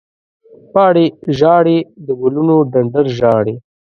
پاڼې ژاړې، د ګلونو ډنډر ژاړې